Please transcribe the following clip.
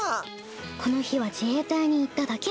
この日は自衛隊に行っただけ。